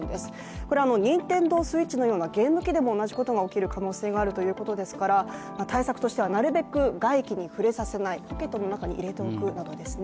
これはＮｉｎｔｅｎｄｏＳｗｉｔｃｈなどのゲーム機でも同じことが起きる可能性があるということですから、対策としてはなるべく外気に触れさせない、ポケットの中に入れておくなどですね。